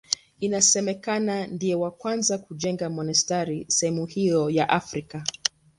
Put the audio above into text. Inasemekana ndiye wa kwanza kujenga monasteri sehemu hiyo ya Afrika.